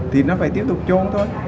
thì nó phải tiếp tục trốn thôi